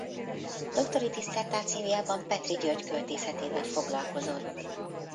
Doktori disszertációjában Petri György költészetével foglalkozott.